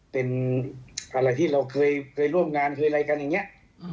เป็นอะไรที่เราเคยร่วมงานเคยอะไรกันอย่างนี้